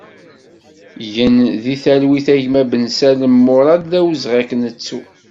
Gen di talwit a gma Bensalem Murad, d awezɣi ad k-nettu!